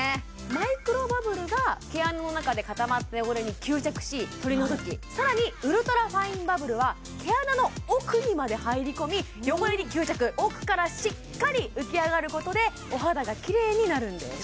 マイクロバブルが毛穴の中で固まった汚れに吸着し取り除きさらにウルトラファインバブルは毛穴の奥にまで入り込み汚れに吸着奥からしっかり浮き上がることでお肌がキレイになるんです